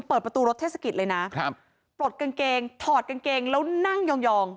เปิดประตูรถเทศกิจเลยนะครับปลดกางเกงถอดกางเกงแล้วนั่งยอง